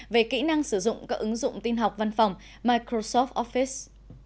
về kỹ năng sử dụng các ứng dụng tin học văn phòng microsoft office